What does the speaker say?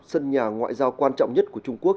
sân nhà ngoại giao quan trọng nhất của trung quốc